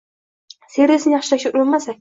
- servisni yaxshilashga urinmaslik –